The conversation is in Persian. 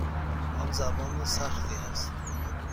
آن زبان سختی است.